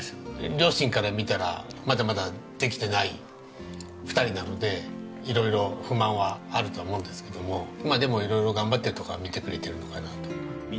両親から見たらまだまだできてない２人なので色々不満はあるとは思うんですけどもでも色々頑張ってるところは見てくれてるのかなと。